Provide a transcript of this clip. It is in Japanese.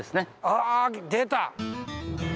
あ出た！